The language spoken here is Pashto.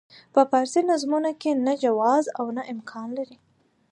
په فارسي نظمونو کې نه جواز او نه امکان لري.